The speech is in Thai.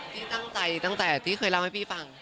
พี่ตั้งใจที่เคยเล่าให้พี่ฟัง